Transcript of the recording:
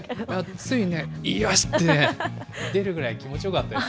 ついね、よしって出るぐらい気持ちよかったです。